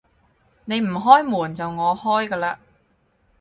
你唔開門，就我開㗎喇